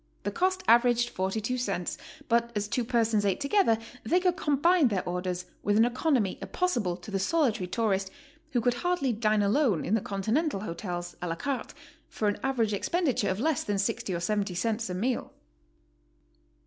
The cost averaged 42 cents, but as two persons ate together they could combine their orders HOW TO STAY. 131 with an economy impossible to the solitary tourist, who could hardly dine alone in the Continental hotels, a la carte, for an average expenditure of less than 6o or 70 cents a meal.